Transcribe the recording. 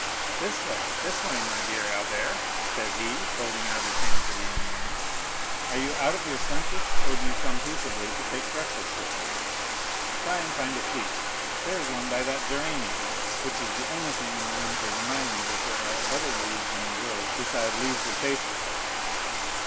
"This way, this way, my dear Albert!" said he, holding out his hand to the young man. "Are you out of your senses, or do you come peaceably to take breakfast with me? Try and find a seat—there is one by that geranium, which is the only thing in the room to remind me that there are other leaves in the world besides leaves of paper."